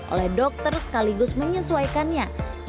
oleh dokter sekaligus menyesuaikan yang diperlukan